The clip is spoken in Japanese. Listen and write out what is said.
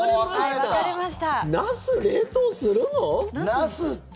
ナスって。